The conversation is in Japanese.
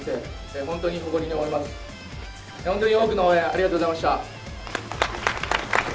本当に多くの応援、ありがとうございました。